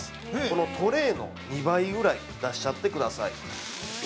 このトレイの２倍ぐらい出しちゃってください。